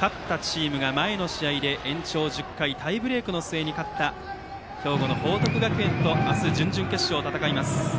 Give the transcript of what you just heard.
勝ったチームが前の試合で延長１０回タイブレークの末に勝った兵庫の報徳学園と明日、準々決勝を戦います。